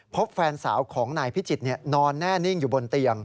พบแฟนสาวของนายพิจิตรนอนแน่นิ่งอยู่บนเตียง